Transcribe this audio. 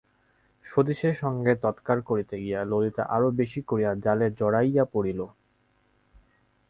সতীশের সঙ্গে তকরার করিতে গিয়া ললিতা আরো বেশি করিয়া জালে জড়াইয়া পড়িল।